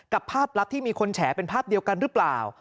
ภาพลับที่มีคนแฉเป็นภาพเดียวกันหรือเปล่า